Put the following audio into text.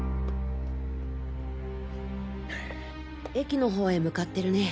駅の方へ向かってるね。